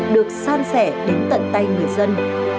được san sẻ đến tận tay người dân